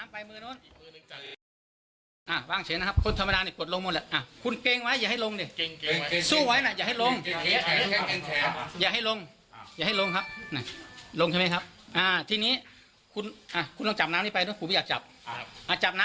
มีแรงต้านเลยหรือครับว่าผมคุณต้องกดแถวเกียจกับผม